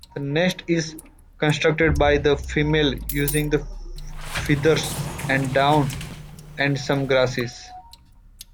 The nest is constructed by the female using feathers and down and some grasses.